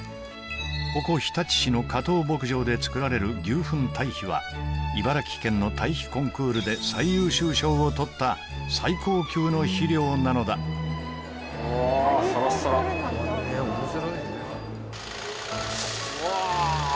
ここ日立市の加藤牧場で作られる牛ふんたい肥は茨城県のたい肥コンクールで最優秀賞をとった最高級の肥料なのだうわっ